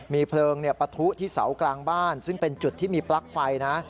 มีเพลิงปะทุที่เสากลางบ้านซึ่งเป็นจุดที่มีปลั๊กไฟนะ